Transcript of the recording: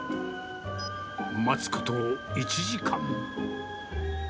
待つこと１時間。